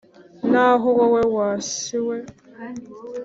Naho wowe wa si we,